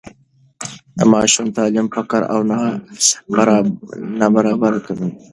د ماشوم تعلیم فقر او نابرابري کموي.